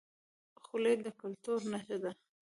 خولۍ د کلتور نښه ده